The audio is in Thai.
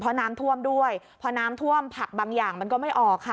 เพราะน้ำท่วมด้วยพอน้ำท่วมผักบางอย่างมันก็ไม่ออกค่ะ